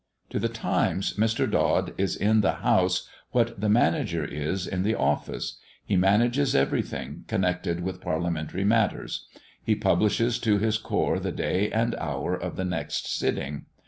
To the Times, Mr. Dod is in the house what the manager is in the office; he manages every thing connected with Parliamentary matters; he publishes to his corps the day and hour of the next sitting.